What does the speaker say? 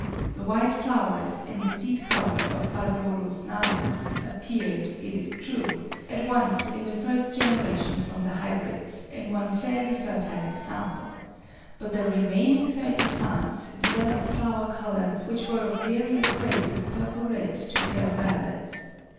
The white flowers and the seed colour of Ph. nanus appeared, it is true, at once in the first generation [from the hybrids] in one fairly fertile example, but the remaining thirty plants developed flower colours which were of various grades of purple red to pale violet.